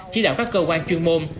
chỉ đạo các cơ quan chuyên môn